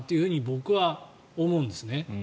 僕は思うんですね。